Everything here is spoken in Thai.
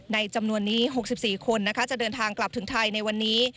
จำนวนนี้๖๔คนจะเดินทางกลับถึงไทยในวันนี้